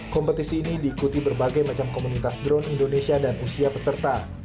kompetisi ini diikuti berbagai macam komunitas drone indonesia dan usia peserta